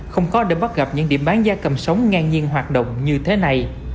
không khó để bắt gặp những điểm bán gia cầm sống ngang nhiên hoạt động như thế này